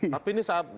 tapi ini saat